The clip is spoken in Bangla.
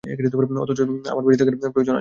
অথচ আমার বেঁচে থাকার প্রয়োজন আছে।